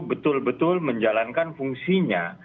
betul betul menjalankan fungsinya